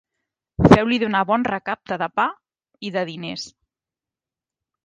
Feu-li donar bon recapte de pa i de diners.